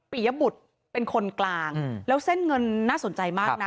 ยบุตรเป็นคนกลางแล้วเส้นเงินน่าสนใจมากนะ